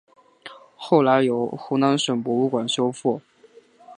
后来由湖南省博物馆修复。